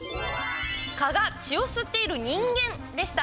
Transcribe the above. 蚊が血を吸っている人間でした。